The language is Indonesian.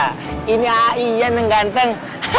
hah ini aiyan yang ganteng